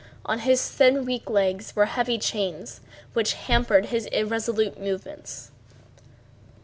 On his thin, weak legs were heavy chains which hampered his irresolute movements.